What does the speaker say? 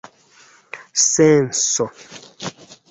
senso